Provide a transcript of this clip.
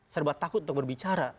serba takut untuk berbicara